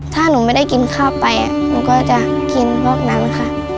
ถ้าหนูไม่ได้กินข้าวไปหนูก็จะกินพวกนั้นค่ะ